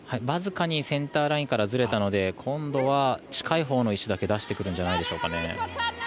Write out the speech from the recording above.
僅かにセンターラインからずれたので近いほうの石を出してくるんじゃないでしょうか。